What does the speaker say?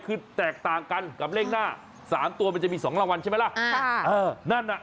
คือแตกต่างกันกับเลขหน้า๓ตัวมันจะมี๒รางวัลใช่ไหมล่ะ